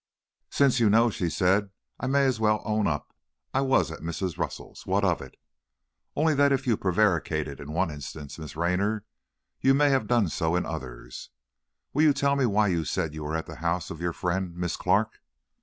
"Since you know," she said, "I may as well own up. I was at Mrs. Russell's. What of it?" "Only that if you prevaricated in one instance, Miss Raynor, you may have done so in others. Will you tell me why you said you were at the house of your friend, Miss Clark?"